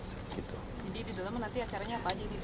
jadi di dalam nanti acaranya apa aja